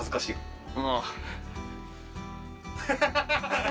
ハハハハ。